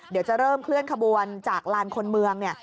เดี๋ยวจะเริ่มเคลื่อนขบวนจากลานคนเมือง